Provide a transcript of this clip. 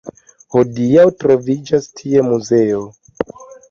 Hodiaŭ troviĝas tie muzeo.